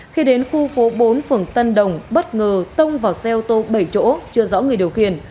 khi đến khu phố bốn phường tân đồng bất ngờ tông vào xe ô tô bảy chỗ chưa rõ người điều khiển